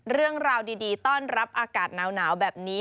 เรื่องราวดีต้อนรับอากาศหนาวแบบนี้